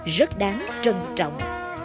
rất đáng trân trọng